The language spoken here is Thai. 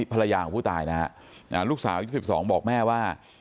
ที่ภรรยาผู้ตายนะครับลูกสา๗๖บอกแม่ว่า